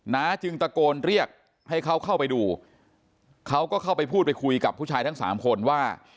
้าจึงตะโกนเรียกให้เขาเข้าไปดูเขาก็เข้าไปพูดไปคุยกับผู้ชายทั้งสามคนว่า